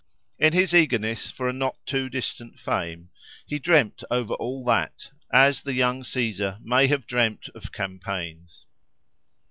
In his eagerness for a not too distant fame, he dreamed over all that, as the young Caesar may have dreamed of campaigns.